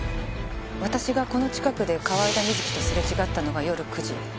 私がこの近くで河井田瑞希とすれ違ったのが夜９時。